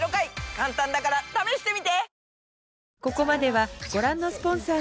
簡単だから試してみて！